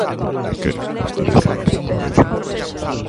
E queren vostedes falar de pobreza.